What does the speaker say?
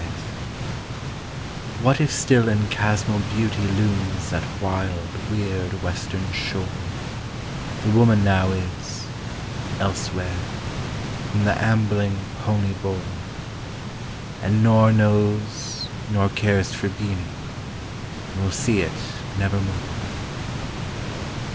V What if still in chasmal beauty looms that wild weird western shore, The woman now is—elsewhere—whom the ambling pony bore, And nor knows nor cares for Beeny, and will see it nevermore.